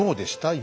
今。